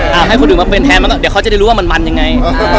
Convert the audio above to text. เอาให้คนอื่นมาเป็นแทนมาก่อนเดี๋ยวเขาจะได้รู้ว่ามันมันยังไง